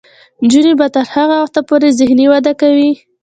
نجونې به تر هغه وخته پورې ذهني وده کوي.